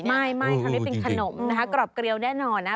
ไม่ทำได้เป็นขนมนะคะกรอบเกลียวแน่นอนนะ